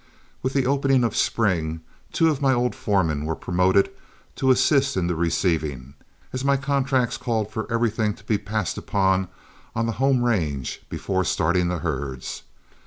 With the opening of spring two of my old foremen were promoted to assist in the receiving, as my contracts called for everything to be passed upon on the home range before starting the herds.